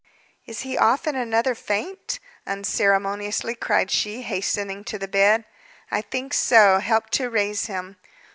"Is he off in another faint?" unceremoniously cried she, hastening to the bed. "I think so. Help to raise him."